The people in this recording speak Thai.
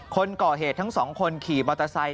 คนก่อเหตุทั้งสองคนขี่มอเตอร์ไซค